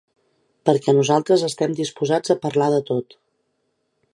Perquè nosaltres estem disposats a parlar de tot.